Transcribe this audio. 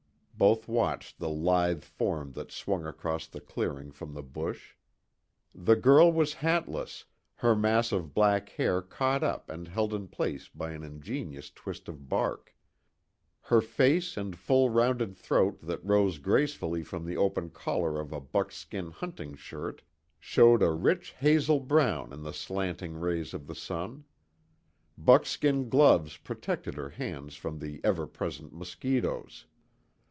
Both watched the lithe form that swung across the clearing from the bush. The girl was hatless, her mass of black hair, caught up and held in place by an ingenious twist of bark. Her face and full rounded throat that rose gracefully from the open collar of a buckskin hunting shirt showed a rich hazel brown in the slanting rays of the sun. Buckskin gloves protected her hands from the ever present mosquitoes.